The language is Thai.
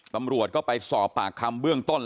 ตำรวจก็ไปสอบปากคำเบื้องต้น